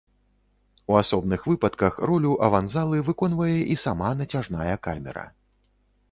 У асобных выпадках ролю аванзалы выконвае і сама нацяжная камера.